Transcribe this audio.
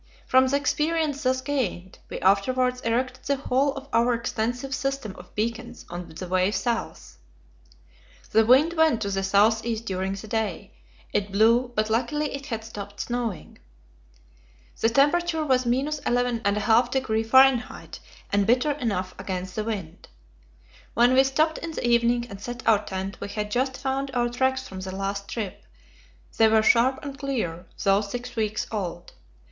From the experience thus gained, we afterwards erected the whole of our extensive system of beacons on the way south. The wind went to the south east during the day; it blew, but luckily it had stopped snowing. The temperature was 11.5° F., and bitter enough against the wind. When we stopped in the evening and set our tent, we had just found our tracks from the last trip; they were sharp and clear, though six weeks old.